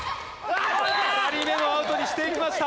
２人目をアウトにしていきました。